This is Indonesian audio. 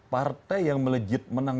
partai yang melejit menang